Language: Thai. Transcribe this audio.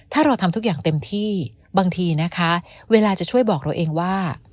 ถ้าเราทำทุกอย่างเต็มที่บางทีนะคะเวลาจะช่วยบอกเราเองว่า